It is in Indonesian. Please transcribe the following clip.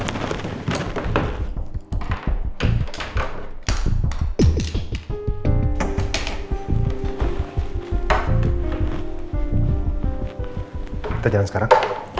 kita jalan sekarang